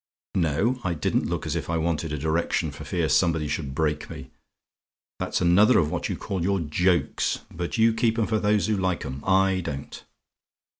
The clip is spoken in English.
No: I didn't look as if I wanted a direction, for fear somebody should break me. That's another of what you call your jokes; but you should keep 'em for those who like 'em. I don't.